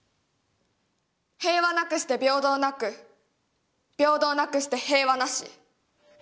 平和なくして平等なく平等なくして平和なし。